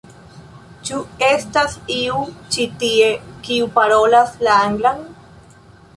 Ĉu estas iu ĉi tie, kiu parolas la anglan?